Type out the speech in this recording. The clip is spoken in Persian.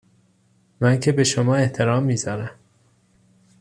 من که به شما احترام میذارم